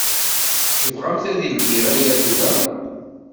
Tebɣamt ad ldiɣ aya tura?